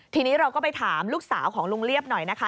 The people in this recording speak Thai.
ทีนี้เราก็ไปถามลูกสาวของลุงเรียบหน่อยนะคะ